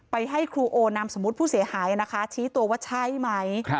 ให้ครูโอนามสมมุติผู้เสียหายนะคะชี้ตัวว่าใช่ไหม